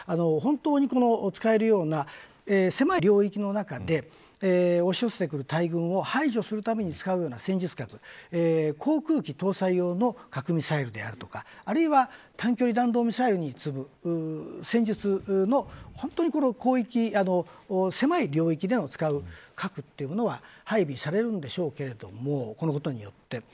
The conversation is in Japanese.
本当に使えるような狭い領域の中で押し寄せてくる大群を排除するために使うような戦術核航空機搭載用の核ミサイルであるとかあるいは短距離弾道ミサイルに次ぐ戦術で使う狭い領域で使う核というものは配備されるんでしょうけれどもこのことによって。